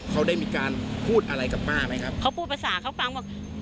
เขาได้มีการพูดอะไรกับป้าไหมครับ